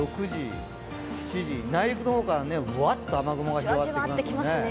内陸の方からぶわっと雨雲が広がってきますね。